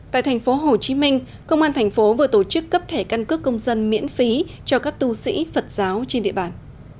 tại thành phố hồ chí minh công an thành phố vừa tổ chức cấp thẻ căn cước công dân miễn phí cho các tu sĩ phật giáo trên địa bàn